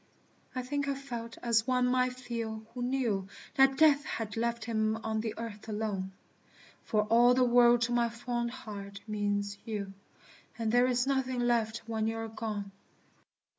I think I felt as one might feel who knew That Death had left him on the earth alone. For "all the world" to my fond heart means you; And there is nothing left when you are gone.